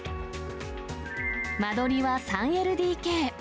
間取りは３ＬＤＫ。